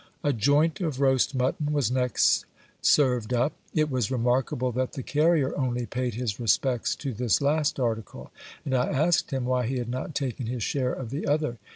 A joint of roast mutton was next served up. Tt was remarkable that the carrier only paid his respects to this last article ; and I asked him why he had not taken his share of the other.